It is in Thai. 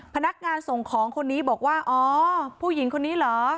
พนักงานส่งของคนนี้บอกว่าอ๋อผู้หญิงคนนี้เหรอ